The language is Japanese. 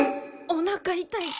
おなか痛い！